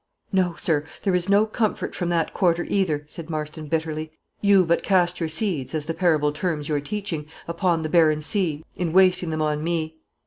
"No, sir, there is no comfort from that quarter either," said Marston, bitterly; "you but cast your seeds, as the parable terms your teaching, upon the barren sea, in wasting them on me.